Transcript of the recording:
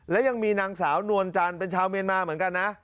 และยังมีนางสาวนวลจันทร์เป็นชาวเมียนมาเหมือนกันนะ